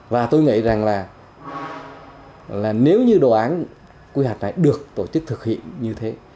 và tôi nghĩ rằng là nếu như đồ án quy hoạch này được tổ chức thực hiện như thế